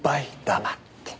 黙って。